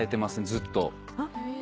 ずっと。